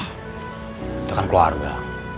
kita kan keluarga